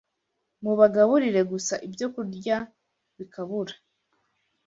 Mubagaburira gusa ibyokurya bikabura